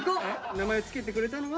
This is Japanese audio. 名前を付けてくれたのは？